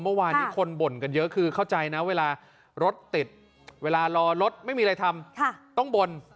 เมื่อวานนี้คนบ่นกันเยอะคือเข้าใจนะเวลารถติดเวลารอรถไม่มีอะไรทำต้องบ่น